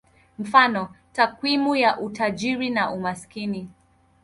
Mfano: takwimu ya utajiri na umaskini.